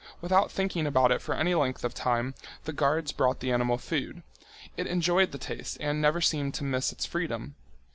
Without thinking about it for any length of time, the guards brought the animal food. It enjoyed the taste and never seemed to miss its freedom.